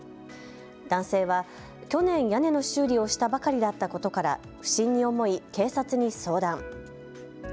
男性は去年、屋根の修理をしたばかりだったことから不審に思い警察に相談。